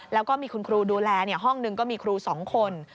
แล้วก็มีคุณครูดูแลห้องหนึ่งก็มีครู๒คน